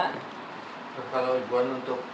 bapak ibu untuk kan sudah ada yang menanggung krim